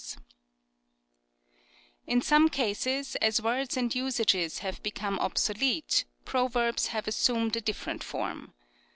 270 CURIOSITIES OF In some cases, as words and usages have be come obsolete, proverbs have assumed a different form.